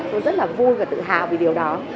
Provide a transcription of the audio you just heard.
tôi rất là vui và tự hào vì điều đó